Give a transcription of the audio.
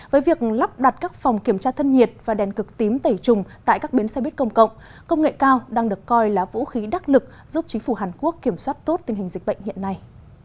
với việc lắp đặt các phòng kiểm tra thân nhiệt và đèn cực tím tẩy trùng tại các bến xe buýt công cộng công nghệ cao đang được coi là vũ khí đắc lực giúp chính phủ hàn quốc kiểm soát tốt tình hình dịch bệnh hiện nay